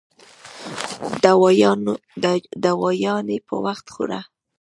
دوايانې په وخت خوره